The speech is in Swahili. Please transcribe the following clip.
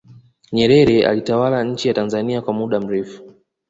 nyerere alitawala nchi ya tanzania kwa muda mrefu